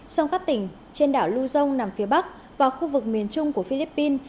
song khắp tỉnh trên đảo luzon nằm phía bắc và khu vực miền trung của philippines